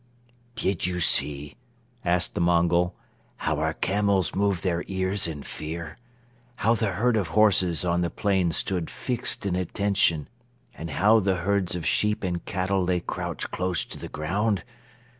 "Did you see," asked the Mongol, "how our camels moved their ears in fear? How the herd of horses on the plain stood fixed in attention and how the herds of sheep and cattle lay crouched close to the ground?